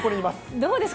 どうですか？